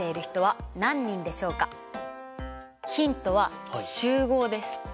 ヒントは「集合」です。